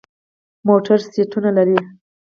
موټر سیټونه لري.